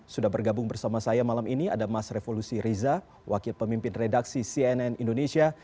sudah bergabung bersama saya malam ini ada mas revolusi riza wakil pemimpin redaksi cnn indonesia